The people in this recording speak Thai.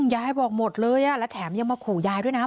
ยายบอกหมดเลยและแถมยังมาขู่ยายด้วยนะ